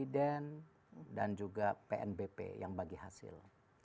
dan juga pnbp yang bagi hasil